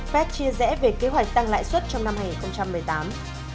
fed chia rẽ về kế hoạch tăng lãi suất trong năm hai nghìn một mươi tám